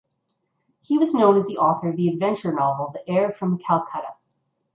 He was known as the author of the adventure novel "The Heir From Calcutta".